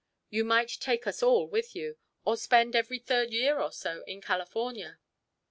You might take us all with you, or spend every third year or so in California.